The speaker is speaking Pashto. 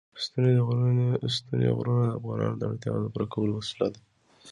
ستوني غرونه د افغانانو د اړتیاوو د پوره کولو وسیله ده.